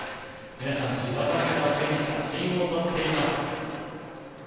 皆さん、芝桜を背に写真を撮っています。